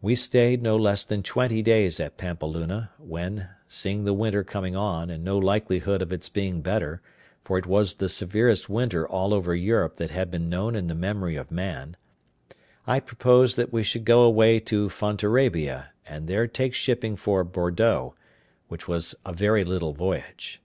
We stayed no less than twenty days at Pampeluna; when (seeing the winter coming on, and no likelihood of its being better, for it was the severest winter all over Europe that had been known in the memory of man) I proposed that we should go away to Fontarabia, and there take shipping for Bordeaux, which was a very little voyage.